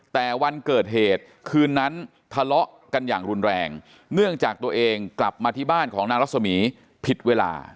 แต่วันเกิดเหตุคืนนั้นทะเลาะกันอย่างรุนแรงเนื่องจากตัวเองกลับมาที่บ้านของนางรัศมีร์ผิดเวลา